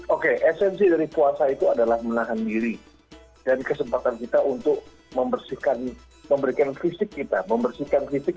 oke esensi dari puasa itu adalah menahan diri dan kesempatan kita untuk membersihkan memberikan fisik kita membersihkan fisik